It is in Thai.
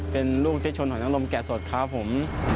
เป็นลูกเจ๊ชนหอยนลมแกะสดครับผม